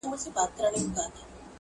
o بيا دي ستني ډيري باندي ښخي کړې.